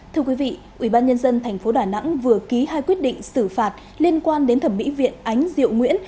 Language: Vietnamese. thưa quý vị ubnd tp đà nẵng vừa ký hai quyết định xử phạt liên quan đến thẩm mỹ viện ánh diệu nguyễn